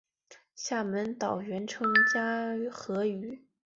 厦门岛原称嘉禾屿。